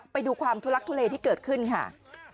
ไปดูความทุลักทุเลที่เกิดขึ้นค่ะ